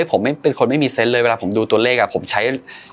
ผมเป็นคนไม่มีเซนต์เลยเวลาผมดูตัวเลขผมใช้